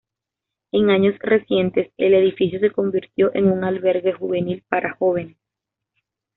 En años recientes el edificio se convirtió en un Albergue juvenil para jóvenes.